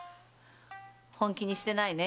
本気にしてないね。